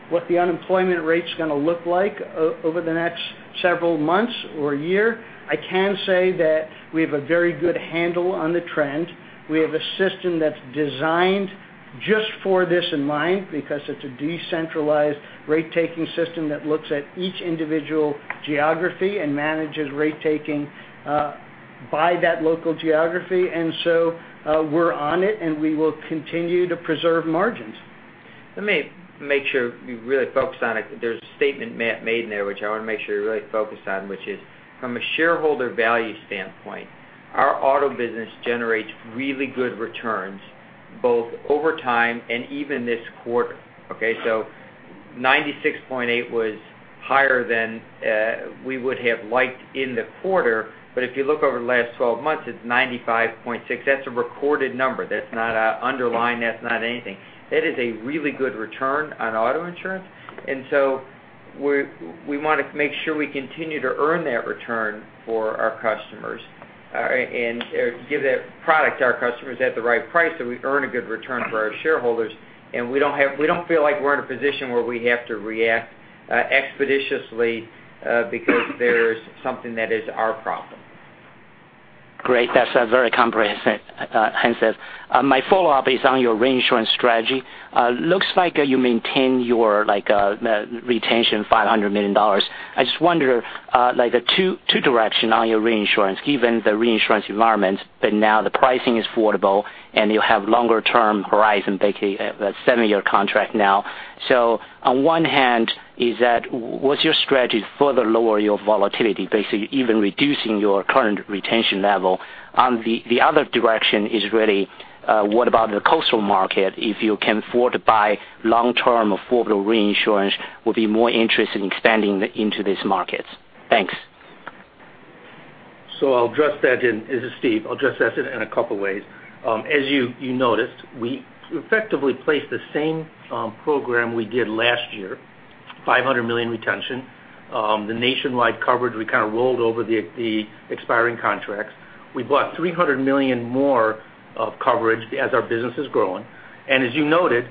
F: what the unemployment rate's going to look like over the next several months or year. I can say that we have a very good handle on the trend. We have a system that's designed just for this in mind because it's a decentralized rate-taking system that looks at each individual geography and manages rate taking by that local geography. We're on it, and we will continue to preserve margins.
C: Let me make sure we really focus on it. There's a statement Matt made in there, which I want to make sure we really focus on, which is, from a shareholder value standpoint, our auto business generates really good returns both over time and even this quarter. Okay. 96.8 was higher than we would have liked in the quarter. If you look over the last 12 months, it's 95.6. That's a recorded number. That's not an underline. That's not anything. That is a really good return on auto insurance. We want to make sure we continue to earn that return for our customers, and give that product to our customers at the right price so we earn a good return for our shareholders. We don't feel like we're in a position where we have to react expeditiously because there's something that is our problem.
J: Great. That's very comprehensive answers. My follow-up is on your reinsurance strategy. Looks like you maintain your retention $500 million. I just wonder, the two direction on your reinsurance, given the reinsurance environment, now the pricing is affordable and you have longer term horizon, basically a seven-year contract now. On one hand is that, what's your strategy to further lower your volatility, basically even reducing your current retention level? The other direction is really, what about the coastal market, if you can afford to buy long-term affordable reinsurance, would be more interested in expanding into these markets? Thanks.
D: I'll address that in, this is Steve, I'll address that in a couple ways. As you noticed, we effectively placed the same program we did last year, $500 million retention. The nationwide coverage, we kind of rolled over the expiring contracts. We bought $300 million more of coverage as our business is growing. As you noted,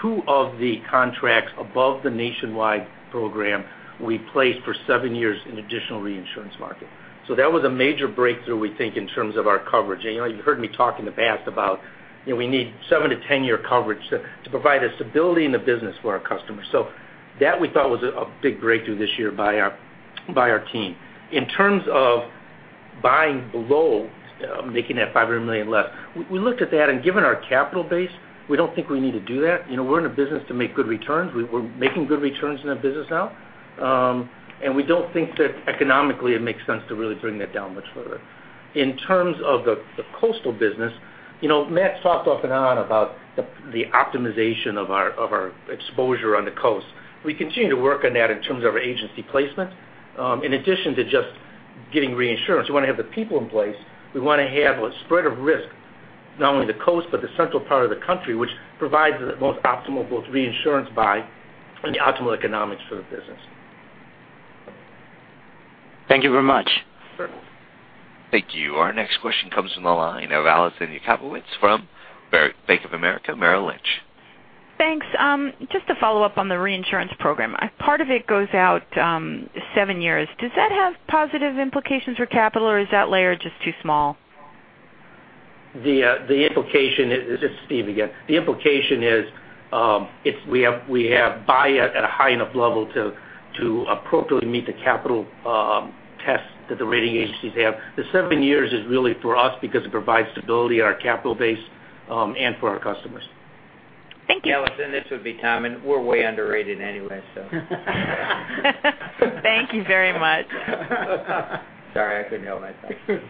D: two of the contracts above the nationwide program we placed for seven years in additional reinsurance market. That was a major breakthrough we think in terms of our coverage. You've heard me talk in the past about we need seven to 10-year coverage to provide a stability in the business for our customers. That we thought was a big breakthrough this year by our team. In terms of buying below, making that $500 million less, we looked at that. Given our capital base, we don't think we need to do that. We're in a business to make good returns. We're making good returns in our business now. We don't think that economically it makes sense to really bring that down much further. In terms of the coastal business, Matt talked off and on about the optimization of our exposure on the coast. We continue to work on that in terms of our agency placement. In addition to just getting reinsurance, we want to have the people in place. We want to have a spread of risk, not only the coast, but the central part of the country, which provides the most optimal both reinsurance buy and the optimal economics for the business. Thank you very much.
F: Sure.
A: Thank you. Our next question comes from the line of Allison Jacobowitz from Bank of America Merrill Lynch.
K: Thanks. Just to follow up on the reinsurance program. Part of it goes out seven years. Does that have positive implications for capital, or is that layer just too small?
D: This is Steve again. The implication is, if we have buy at a high enough level to appropriately meet the capital tests that the rating agencies have. The seven years is really for us because it provides stability in our capital base, and for our customers.
K: Thank you.
C: Allison, this would be Tom. We're way underrated anyway, so.
K: Thank you very much.
C: Sorry, I couldn't help myself.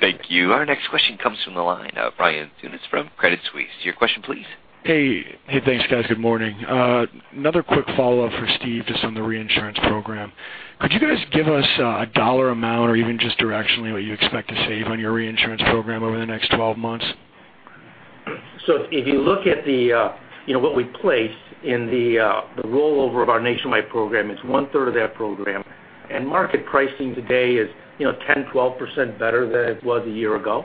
A: Thank you. Our next question comes from the line of Ryan Tunis from Credit Suisse. Your question, please.
L: Hey, thanks guys. Good morning. Another quick follow-up for Steve, just on the reinsurance program. Could you guys give us a dollar amount or even just directionally what you expect to save on your reinsurance program over the next 12 months?
D: If you look at what we placed in the rollover of our nationwide program, it's one-third of that program. Market pricing today is 10%-12% better than it was a year ago.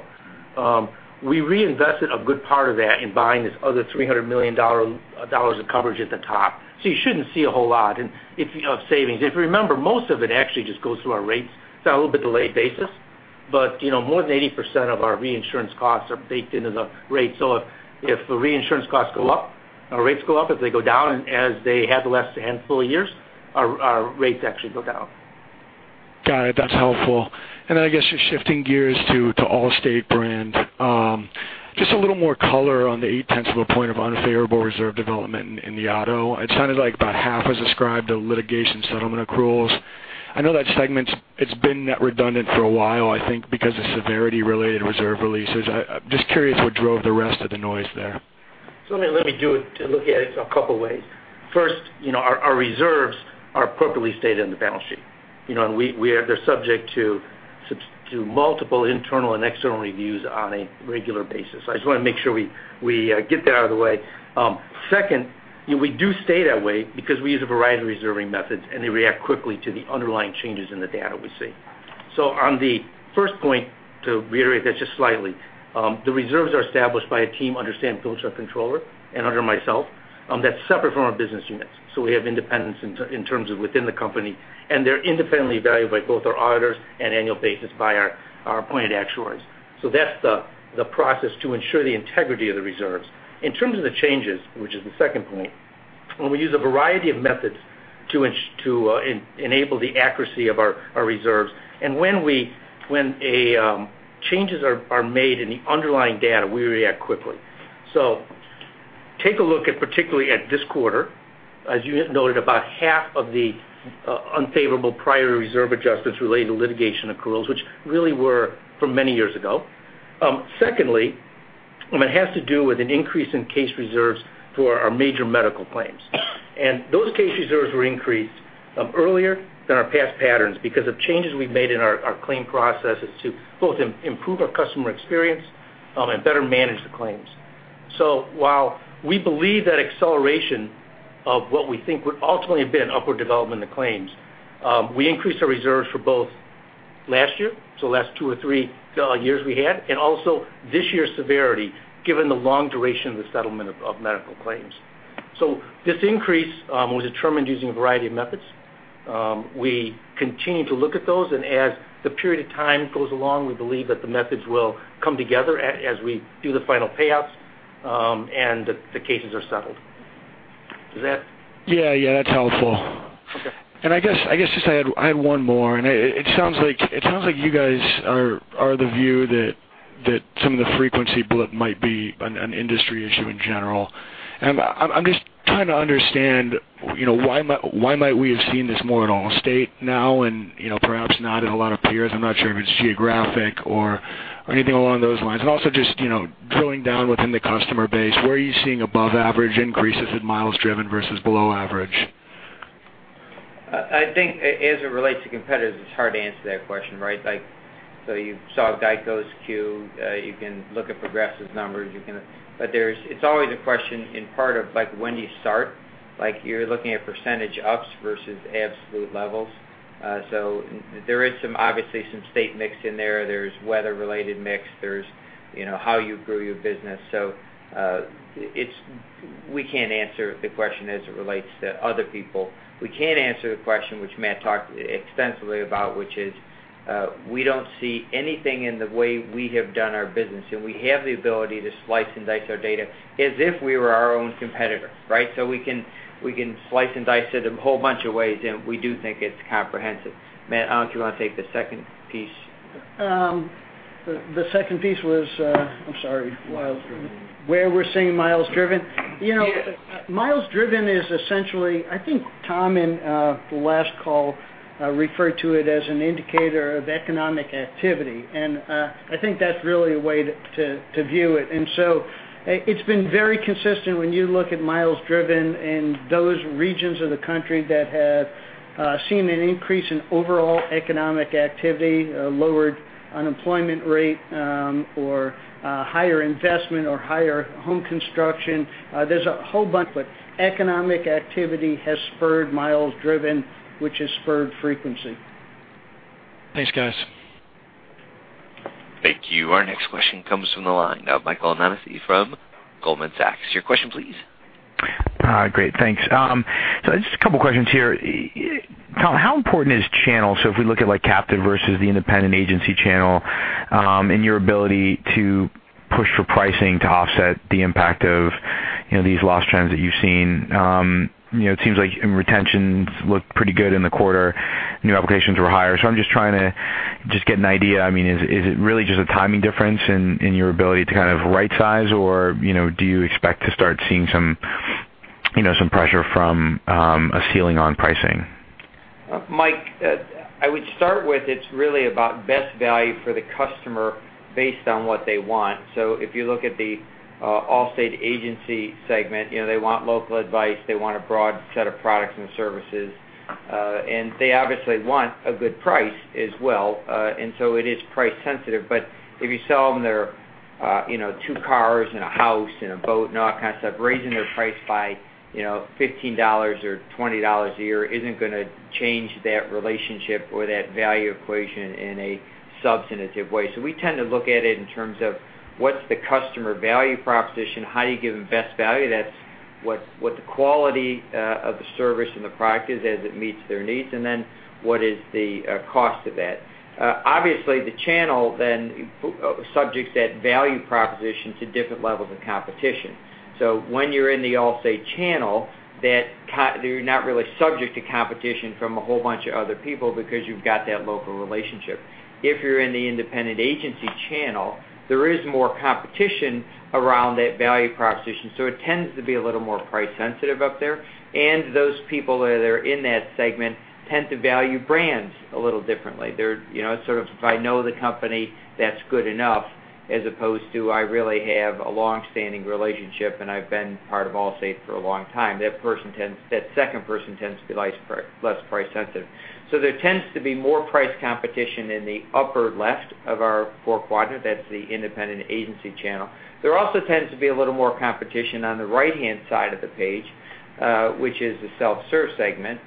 D: We reinvested a good part of that in buying this other $300 million of coverage at the top. You shouldn't see a whole lot of savings. If you remember, most of it actually just goes through our rates. It's on a little bit delayed basis, but more than 80% of our reinsurance costs are baked into the rate. If the reinsurance costs go up, our rates go up. If they go down, and as they have the last handful of years, our rates actually go down.
L: Got it. That's helpful. Then I guess, just shifting gears to Allstate brand. Just a little more color on the eight tenths of a point of unfavorable reserve development in the auto. It sounded like about half was ascribed to litigation settlement accruals. I know that segment it's been net redundant for a while, I think, because of severity-related reserve releases. I'm just curious what drove the rest of the noise there.
D: Let me do it to look at it a couple ways. First, our reserves are appropriately stated in the balance sheet, and they're subject to multiple internal and external reviews on a regular basis. I just want to make sure we get that out of the way. Second, we do stay that way because we use a variety of reserving methods, and they react quickly to the underlying changes in the data we see. On the first point, to reiterate that just slightly, the reserves are established by a team under Sam Pilch, Controller, and under myself, that's separate from our business units. We have independence in terms of within the company, and they're independently valued by both our auditors and annual basis by our appointed actuaries. That's the process to ensure the integrity of the reserves. In terms of the changes, which is the second point, when we use a variety of methods to enable the accuracy of our reserves. When changes are made in the underlying data, we react quickly. Take a look at, particularly at this quarter. As you noted, about half of the unfavorable prior reserve adjustments relate to litigation accruals, which really were from many years ago. Secondly, it has to do with an increase in case reserves for our major medical claims. Those case reserves were increased earlier than our past patterns because of changes we've made in our claim processes to both improve our customer experience and better manage the claims. While we believe that acceleration of what we think would ultimately have been upward development in the claims, we increased our reserves for both last year, so last two or three years we had, and also this year's severity, given the long duration of the settlement of medical claims. This increase was determined using a variety of methods. We continue to look at those, and as the period of time goes along, we believe that the methods will come together as we do the final payouts, and the cases are settled. Does that?
L: Yeah. That's helpful.
D: Okay.
L: I guess just I had one more, and it sounds like you guys are of the view that some of the frequency blip might be an industry issue in general. I'm just trying to understand why might we have seen this more at Allstate now and perhaps not at a lot of peers. I'm not sure if it's geographic or anything along those lines. Also just drilling down within the customer base, where are you seeing above average increases in miles driven versus below average?
C: I think as it relates to competitors, it's hard to answer that question, right? You saw GEICO's Q, you can look at Progressive's numbers. It's always a question in part of when do you start. You're looking at percentage ups versus absolute levels. There is obviously some state mix in there. There's weather related mix. There's how you grew your business. We can't answer the question as it relates to other people. We can answer the question which Matt talked extensively about, which is, we don't see anything in the way we have done our business, and we have the ability to slice and dice our data as if we were our own competitor, right? We can slice and dice it a whole bunch of ways, and we do think it's comprehensive. Matt, I'll let you take the second piece.
F: The second piece was.
C: Miles driven.
F: Where we're seeing miles driven.
C: Yes.
F: Miles driven is essentially, I think Tom in the last call referred to it as an indicator of economic activity, and I think that's really a way to view it. It's been very consistent when you look at miles driven in those regions of the country that have seen an increase in overall economic activity, lowered unemployment rate or higher investment or higher home construction. There's a whole bunch, economic activity has spurred miles driven, which has spurred frequency.
L: Thanks, guys.
A: Thank you. Our next question comes from the line of Michael Nannizzi from Goldman Sachs. Your question, please.
M: Great. Thanks. Just a couple questions here. Tom, how important is channel? If we look at captive versus the independent agency channel in your ability to push for pricing to offset the impact of these loss trends that you've seen. It seems like retentions look pretty good in the quarter, new applications were higher. I'm just trying to get an idea. Is it really just a timing difference in your ability to kind of right size, or do you expect to start seeing some pressure from a ceiling on pricing?
C: Mike, I would start with, it's really about best value for the customer based on what they want. If you look at the Allstate agency segment, they want local advice. They want a broad set of products and services. They obviously want a good price as well. It is price sensitive, but if you sell them their Two cars and a house and a boat and all that kind of stuff, raising their price by $15 or $20 a year isn't going to change that relationship or that value equation in a substantive way. We tend to look at it in terms of what's the customer value proposition, how do you give them best value, that's what the quality of the service and the product is as it meets their needs, and then what is the cost of that. The channel then subjects that value proposition to different levels of competition. When you're in the Allstate channel, you're not really subject to competition from a whole bunch of other people because you've got that local relationship. If you're in the independent agency channel, there is more competition around that value proposition, so it tends to be a little more price sensitive up there. Those people that are in that segment tend to value brands a little differently. They're sort of, if I know the company, that's good enough, as opposed to, I really have a long-standing relationship, and I've been part of Allstate for a long time. That second person tends to be less price sensitive. There tends to be more price competition in the upper left of our four quadrant, that's the independent agency channel. There also tends to be a little more competition on the right-hand side of the page, which is the self-serve segment,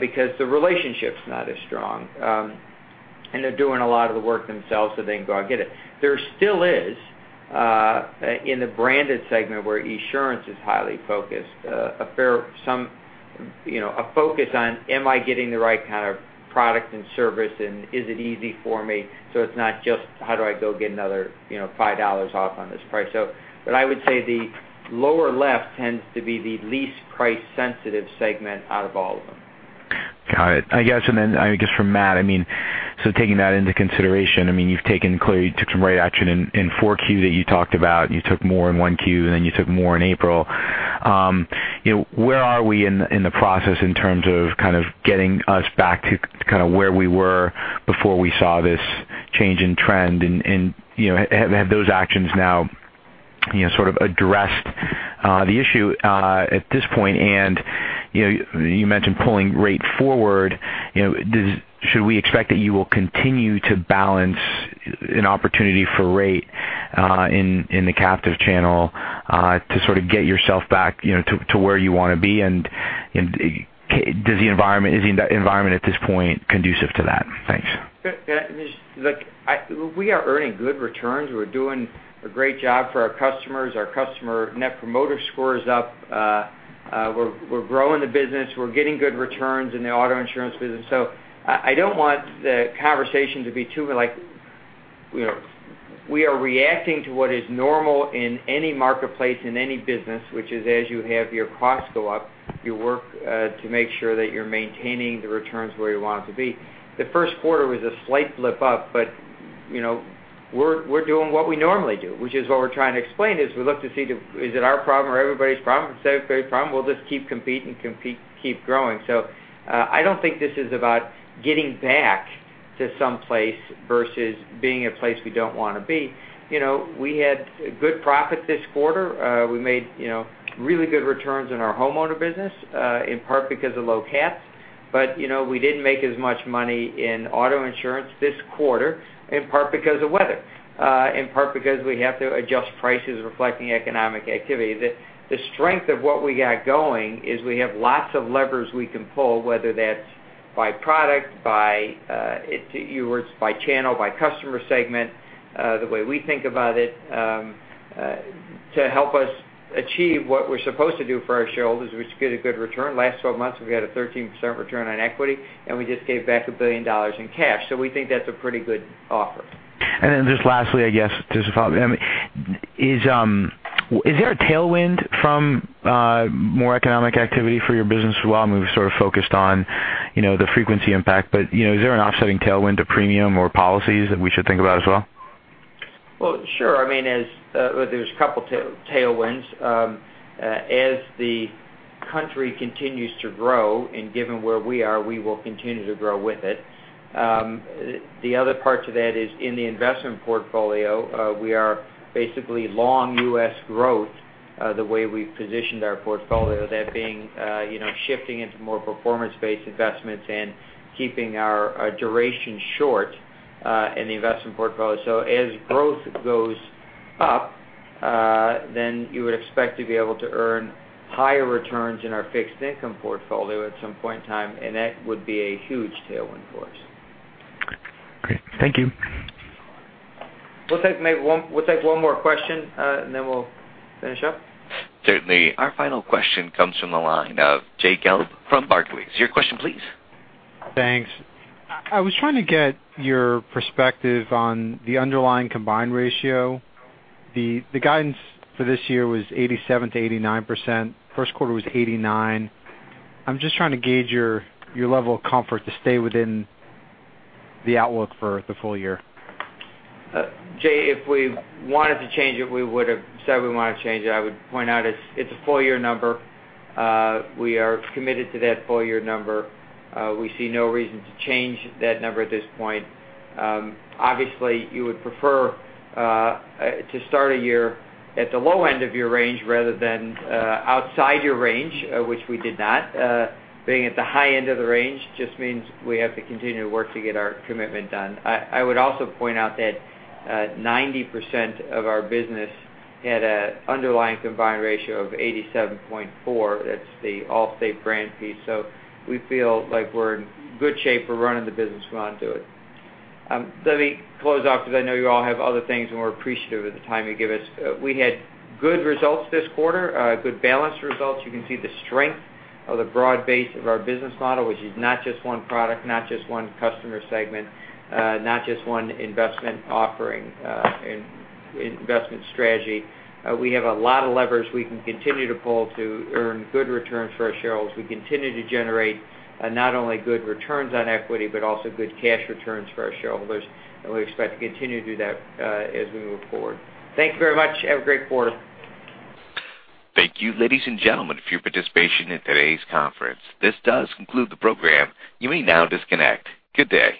C: because the relationship's not as strong. They're doing a lot of the work themselves, so they can go out and get it. There still is, in the branded segment where Esurance is highly focused, a focus on, am I getting the right kind of product and service, and is it easy for me? It's not just, how do I go get another $5 off on this price. I would say the lower left tends to be the least price-sensitive segment out of all of them.
M: Got it. I guess from Matt, taking that into consideration, you've taken clearly took some rate action in 4Q that you talked about, you took more in 1Q, then you took more in April. Where are we in the process in terms of getting us back to where we were before we saw this change in trend, have those actions now sort of addressed the issue at this point? You mentioned pulling rate forward, should we expect that you will continue to balance an opportunity for rate in the captive channel to sort of get yourself back to where you want to be? Is the environment at this point conducive to that? Thanks.
C: Look, we are earning good returns. We're doing a great job for our customers. Our customer net promoter score is up. We're growing the business. We're getting good returns in the auto insurance business. I don't want the conversation to be too like we are reacting to what is normal in any marketplace, in any business, which is as you have your costs go up, you work to make sure that you're maintaining the returns where you want it to be. The first quarter was a slight blip up. We're doing what we normally do, which is what we're trying to explain, is we look to see, is it our problem or everybody's problem? If it's everybody's problem, we'll just keep competing, keep growing. I don't think this is about getting back to some place versus being a place we don't want to be. We had good profit this quarter. We made really good returns in our homeowner business, in part because of low caps. We didn't make as much money in auto insurance this quarter, in part because of weather, in part because we have to adjust prices reflecting economic activity. The strength of what we got going is we have lots of levers we can pull, whether that's by product, by your words, by channel, by customer segment. The way we think about it, to help us achieve what we're supposed to do for our shareholders, which is get a good return. Last 12 months, we've had a 13% return on equity, and we just gave back $1 billion in cash. We think that's a pretty good offer.
M: Just lastly, I guess, just to follow up, is there a tailwind from more economic activity for your business as well? We've sort of focused on the frequency impact. Is there an offsetting tailwind to premium or policies that we should think about as well?
C: Well, sure. There's a couple tailwinds. As the country continues to grow, and given where we are, we will continue to grow with it. The other part to that is in the investment portfolio, we are basically long U.S. growth, the way we've positioned our portfolio, that being shifting into more performance-based investments and keeping our duration short in the investment portfolio. As growth goes up, then you would expect to be able to earn higher returns in our fixed income portfolio at some point in time, and that would be a huge tailwind for us.
M: Great. Thank you.
C: We'll take one more question, and then we'll finish up.
A: Certainly. Our final question comes from the line of Jay Gelb from Barclays. Your question, please.
N: Thanks. I was trying to get your perspective on the underlying combined ratio. The guidance for this year was 87%-89%. First quarter was 89%. I'm just trying to gauge your level of comfort to stay within the outlook for the full year.
C: Jay, if we wanted to change it, we would've said we wanted to change it. I would point out it's a full year number. We are committed to that full year number. We see no reason to change that number at this point. Obviously, you would prefer to start a year at the low end of your range rather than outside your range, which we did not. Being at the high end of the range just means we have to continue to work to get our commitment done. I would also point out that 90% of our business had an underlying combined ratio of 87.4. That's the Allstate brand piece. We feel like we're in good shape. We're running the business we want to do it. Let me close off because I know you all have other things, we're appreciative of the time you give us. We had good results this quarter, good balance results. You can see the strength of the broad base of our business model, which is not just one product, not just one customer segment, not just one investment offering and investment strategy. We have a lot of levers we can continue to pull to earn good returns for our shareholders. We continue to generate not only good returns on equity, but also good cash returns for our shareholders. We expect to continue to do that as we move forward. Thank you very much. Have a great quarter.
A: Thank you, ladies and gentlemen, for your participation in today's conference. This does conclude the program. You may now disconnect. Good day.